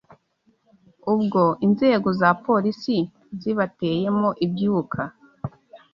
ubwo inzego za Polisi zibateyemo ibyuka